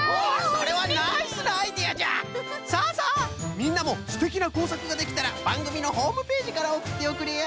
みんなもすてきなこうさくができたらばんぐみのホームページからおくっておくれよ。